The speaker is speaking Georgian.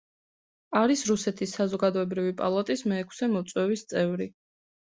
არის რუსეთის საზოგადოებრივი პალატის მეექვსე მოწვევის წევრი.